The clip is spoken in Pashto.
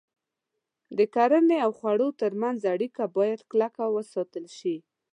د کرنې او خوړو تر منځ اړیکه باید کلکه وساتل شي.